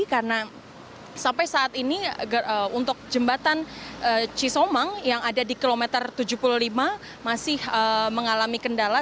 karena sampai saat ini untuk jembatan cisomang yang ada di kilometer tujuh puluh lima masih mengalami kendala